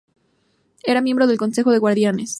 Era miembro del Consejo de Guardianes.